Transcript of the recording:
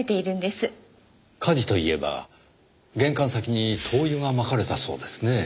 火事といえば玄関先に灯油が撒かれたそうですねぇ。